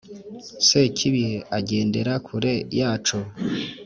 sekibi agendera kure yacu